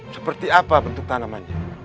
seperti apa bentuk tanamannya